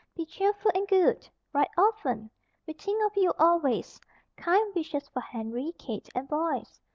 Be cheerful and good. Write often. We think of you always. Kind wishes for Henry, Kate and boys.